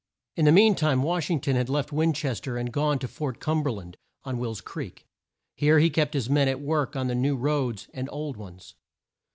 In the mean time Wash ing ton had left Win ches ter and gone to Fort Cum ber land, on Will's Creek. Here he kept his men at work on new roads and old ones.